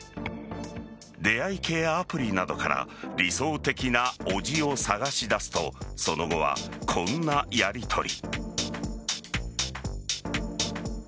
出会い系アプリなどから理想的なおぢを探し出すとその後はこんなやりとり。